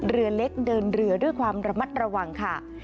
เรือเล็กเดินเรือด้วยความระมัดระวังค่ะ